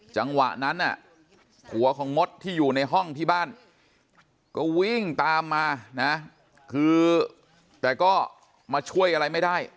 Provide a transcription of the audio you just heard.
จังหวะนั้นผัวของมดที่อยู่ในห้องที่บ้านก็วิ่งตามมานะคือแต่ก็มาช่วยอะไรไม่ได้